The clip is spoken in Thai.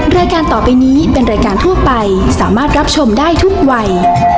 รายการต่อไปนี้เป็นรายการทั่วไปสามารถรับชมได้ทุกวัย